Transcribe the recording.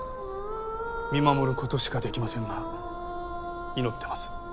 見守ることしかできませんが祈ってます。